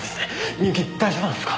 深雪大丈夫なんですか！？